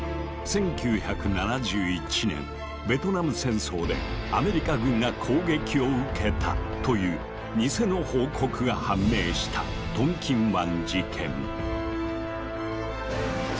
１９７１年ベトナム戦争でアメリカ軍が攻撃を受けたというニセの報告が判明したトンキン湾事件。